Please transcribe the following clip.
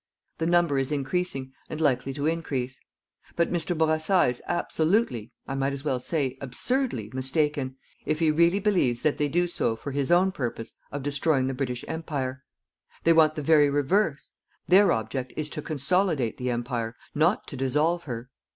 The number is increasing and likely to increase. But Mr. Bourassa is absolutely, I might as well say, absurdly, mistaken, if he really believes that they do so for his own purpose of destroying the British Empire. They want the very reverse: their object is TO CONSOLIDATE THE EMPIRE, not TO DISSOLVE HER.